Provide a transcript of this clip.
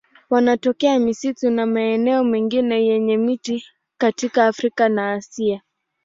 Wanatokea misitu na maeneo mengine yenye miti katika Afrika na Asia.